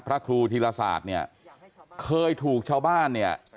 พระครูธีรศาสตร์เนี่ยเคยถูกชาวบ้านเนี่ย